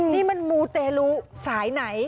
นี่มันมูเตลูสายไหน